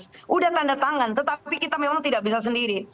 sudah tanda tangan tetapi kita memang tidak bisa sendiri